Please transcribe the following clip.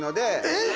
えっ！